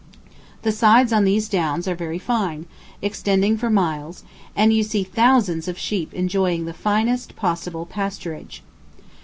The sides on these downs are very fine, extending for miles, and you see thousands of sheep enjoying the finest possible pasturage.